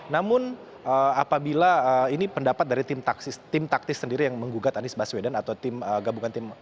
namun apabila ini pendapat dari tim taktis sendiri yang menggugat anies baswedan atau tim gabungan tim